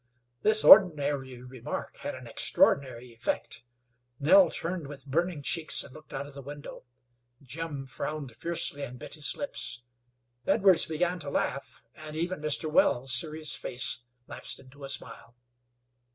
This ordinary remark had an extraordinary effect. Nell turned with burning cheeks and looked out of the window. Jim frowned fiercely and bit his lips. Edwards began to laugh, and even Mr. Wells' serious face lapsed into a smile.